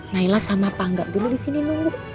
nailah sama pangga dulu di sini nunggu